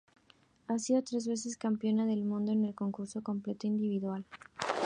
Ha sido tres veces campeona del mundo en el concurso completo individual.